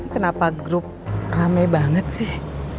kenapa grup rame banget sih